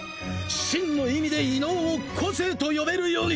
真の意味で異能を個性と呼べる世に！